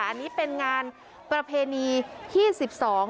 อันนี้เป็นงานประเพณีที่สิบสอง